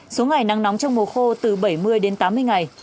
số ngày nắng nóng trong mùa khô từ bảy mươi đến tám mươi ngày